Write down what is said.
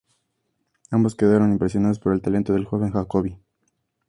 Ambos quedaron impresionados por el talento del joven Jacobi.